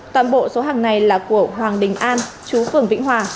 toàn bộ số hàng này là của hoàng đình an chú phường vĩnh hòa